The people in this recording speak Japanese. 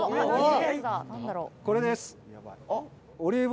これです。